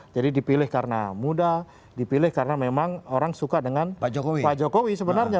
jadi dipilih karena muda dipilih karena memang orang suka dengan pak jokowi sebenarnya